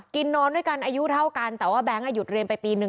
กินนอนด้วยกันอายุเท่ากันแต่ว่าแก๊งหยุดเรียนไปปีนึง